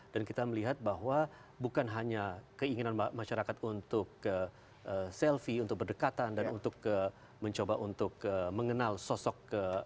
dan kita melihat bahwa bukan hanya keinginan masyarakat untuk selfie untuk berdekatan dan untuk mencoba untuk mengenal sosok